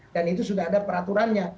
dan itu sudah ada peraturannya